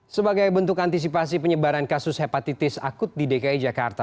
sebagai bentuk antisipasi penyebaran kasus hepatitis akut di dki jakarta